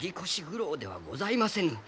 苦労ではございませぬ。